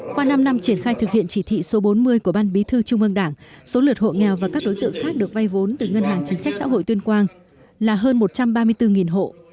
qua năm năm triển khai thực hiện chỉ thị số bốn mươi của ban bí thư trung ương đảng số lượt hộ nghèo và các đối tượng khác được vay vốn từ ngân hàng chính sách xã hội tuyên quang là hơn một trăm ba mươi bốn hộ